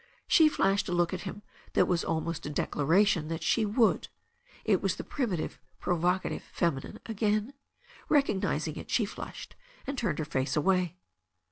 She flashed a look at him that was almost a declaration that she would. It was the primitive provocative feminine again. Recognizing it, she flushed and turned her face away.